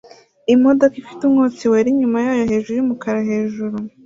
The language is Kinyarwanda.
Imodoka ifite umwotsi wera inyuma yayo hejuru yumukara hejuru